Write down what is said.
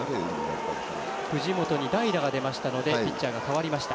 藤本に代打が出ましたのでピッチャーが代わりました。